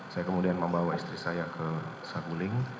saya kemudian membawa istri saya ke saguling